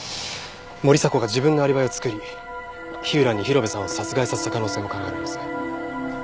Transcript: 森迫が自分のアリバイを作り火浦に広辺さんを殺害させた可能性も考えられます。